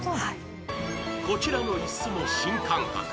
こちらの椅子も新感覚。